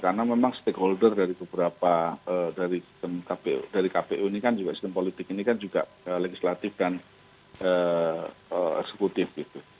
karena memang stakeholder dari beberapa dari kpu ini kan juga eksekutif politik ini kan juga legislatif dan eksekutif gitu